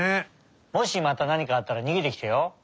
もしまたなにかあったらにげてきてよ。